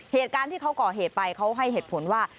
เหตุการณ์ที่เขาก่อเหตุไปเขาให้เหตุผลว่า